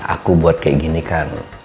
aku buat kayak gini kan